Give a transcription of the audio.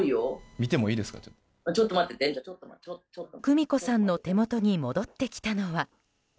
久美子さんの手元に戻ってきたのは。